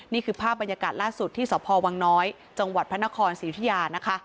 นี่คือภาพบรรยากาศล่าสุดที่สพนจังหวัดพนครศรีวิทยานะคะ